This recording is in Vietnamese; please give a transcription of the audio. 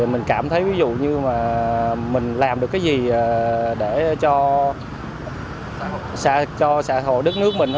mình cảm thấy ví dụ như mà mình làm được cái gì để cho xã hội đất nước mình